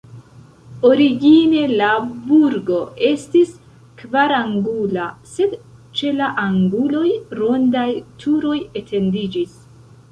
Origine la burgo estis kvarangula, sed ĉe la anguloj rondaj turoj etendiĝis.